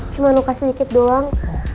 cuma luka sedikit doang